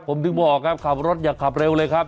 ผมถึงบอกครับขับรถอย่าขับเร็วเลยครับ